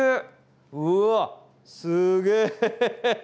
うわっすげえ！